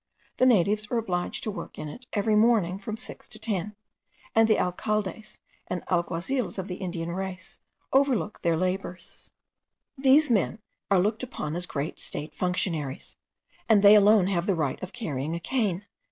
The natives are obliged to work in it every morning from six to ten, and the alcaldes and alguazils of Indian race overlook their labours. These men are looked upon as great state functionaries, and they alone have the right of carrying a cane.